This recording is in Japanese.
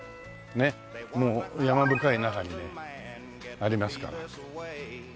ねっもう山深い中にねありますから。